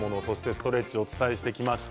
ストレッチとともにお伝えしてきました。